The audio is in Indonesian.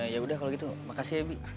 ya udah kalau gitu makasih ya bi